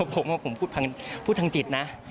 เพราะผมพูดทางจิตนะ